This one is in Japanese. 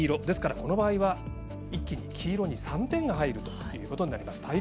ですから、この場合は一気に黄色に３点が入るということになります。